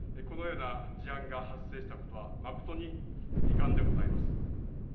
このような事案が発生したことは、誠に遺憾でございます。